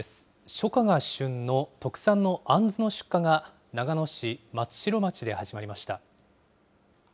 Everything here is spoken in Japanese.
初夏が旬の特産のあんずの出荷が、長野市松代町で始まりました。